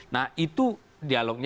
nah itu dialognya